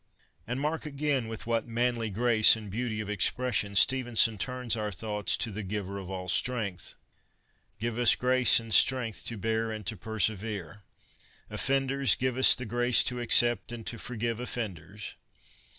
And mark again with what ' manly grace ' and beauty of expression Stevenson turns our thoughts to the ' Giver of all strength.' ' Give us grace and strength to bear and to per severe. Offenders, give us the grace to accept and to forgive offenders.